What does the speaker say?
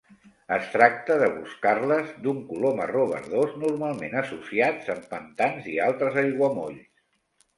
És tracta de boscarles d'un color marró verdós, normalment associats amb pantans i altres aiguamolls.